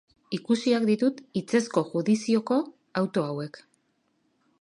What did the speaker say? Ikusiak ditut hitzezko judizioko auto hauek.